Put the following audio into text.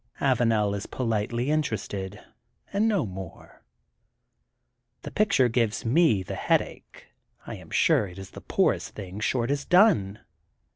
Avanel is politely interested and no more. The pic ture gives me the headache, 1 am sure it is the poorest thing Short has done.